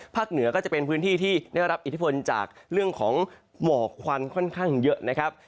เหนือก็จะเป็นพื้นที่ที่ได้รับอิทธิพลจากเรื่องของหมอกควันค่อนข้างเยอะนะครับ